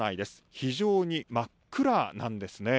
非常に真っ暗なんですね。